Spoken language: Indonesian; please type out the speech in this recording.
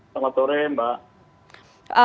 selamat sore mbak